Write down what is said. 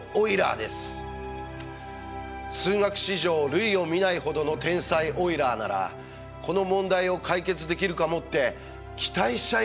数学史上類を見ないほどの天才オイラーならこの問題を解決できるかもって期待しちゃいますよね。